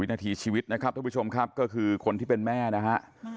นาทีชีวิตนะครับทุกผู้ชมครับก็คือคนที่เป็นแม่นะฮะ